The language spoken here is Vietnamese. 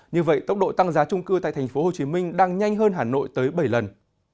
như vậy tốc độ tăng giá trung cư tại tp hcm đang nhanh hơn hà nội tới bảy lần